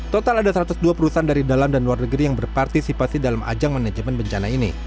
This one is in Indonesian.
total ada satu ratus dua perusahaan dari dalam dan luar negeri yang berpartisipasi dalam ajang manajemen bencana ini